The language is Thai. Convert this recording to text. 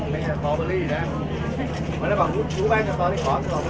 เมืองอัศวินธรรมดาคือสถานที่สุดท้ายของเมืองอัศวินธรรมดา